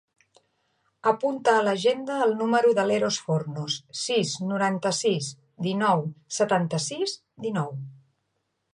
Apunta a l'agenda el número de l'Eros Fornos: sis, noranta-sis, dinou, setanta-sis, dinou.